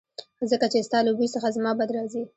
ځکه چې ستا له بوی څخه زما بد راځي